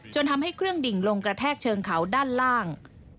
ทำให้เครื่องดิ่งลงกระแทกเชิงเขาด้านล่าง